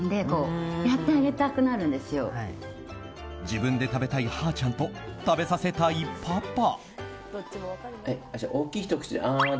自分で食べたいはーちゃんと食べさせたいパパ。